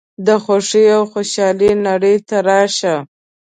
د خوښۍ او خوشحالۍ نړۍ ته راشه.